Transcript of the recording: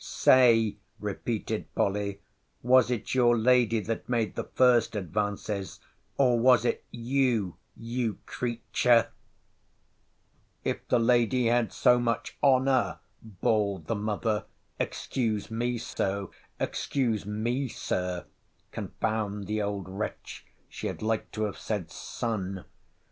Say, repeated Polly, was it your lady that made the first advances, or was it you, you creature—— If the lady had so much honour, bawled the mother, excuse me, so—Excuse me, Sir, [confound the old wretch! she had like to have said son!